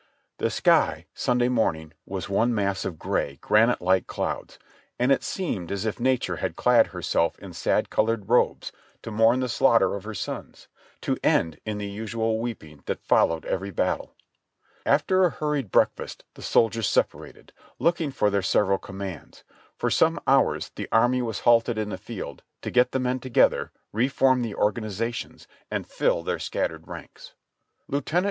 The sky Sunday morning was one mass of gray, granite like clouds, and it seemed as if Nature had clad herself in sad colored robes to mourn for the slaughter of her sons, to end in the usual weeping that followed every battle. After a hurried breakfast the soldiers separated, looking for their several commands. For some hours the army was halted in the field to get the men together, reform the organizations and fill their scattered ranks. Lieut.